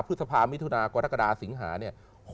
พฤษภามิถุนากรกฎาสิงหาเนี่ย